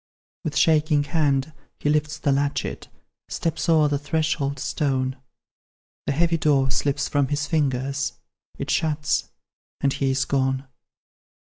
With shaking hand, he lifts the latchet, Steps o'er the threshold stone; The heavy door slips from his fingers It shuts, and he is gone.